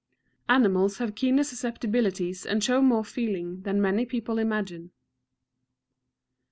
Animals have keener susceptibilities, and show more feeling, than many people imagine.